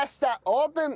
オープン！